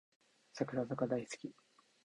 櫻坂大好き